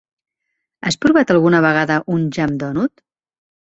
Has provat alguna vegada un Jam Donut?